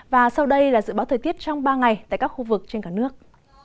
và sau đây là dự báo thời tiết trong ba ngày tại các khu vực trên cả nước